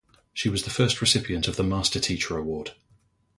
She was the first recipient of the Master Teacher Award.